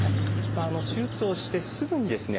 手術をしてすぐにですね